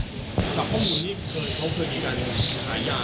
จากข้อมูลที่เขาเคยมีการขายยา